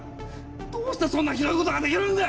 どうしてそんなひどい事ができるんだ！